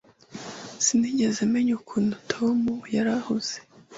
Sinigeze menya ukuntu Tom yari ahuze.